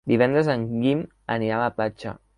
Divendres en Guim anirà a la platja.